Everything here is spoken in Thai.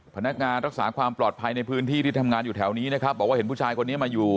พนักงานรักษาความปลอดภัยในพื้นที่ที่ทำงานอยู่แถวนี้นะครับบอกว่าเห็นผู้ชายคนนี้มาอยู่